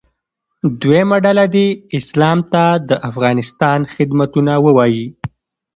دویمه ډله دې اسلام ته د افغانستان خدمتونه ووایي.